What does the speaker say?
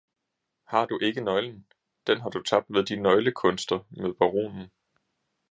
Har du ikke nøglen? Den har du tabt ved de nøglekunster med baronen.